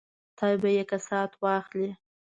خدای به یې کسات واخلي.